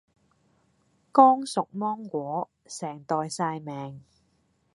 剛熟芒果，成袋曬命